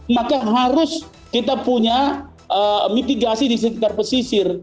maka harus kita punya mitigasi di sekitar pesisir